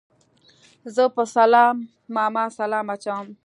زه په سلام ماما سلام اچوم